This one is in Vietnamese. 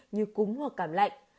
như cúng hoặc cảm lạnh